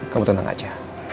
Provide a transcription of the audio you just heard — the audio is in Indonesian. kamu tenang aja